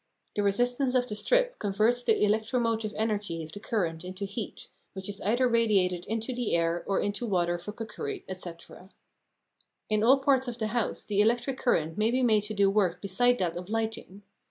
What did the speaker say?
The resistance of the strip converts the electromotive energy of the current into heat, which is either radiated into the air or into water for cookery, &c. In all parts of the house the electric current may be made to do work besides that of lighting.